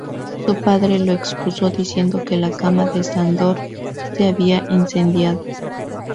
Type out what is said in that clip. Su padre lo excusó diciendo que la cama de Sandor se había incendiado.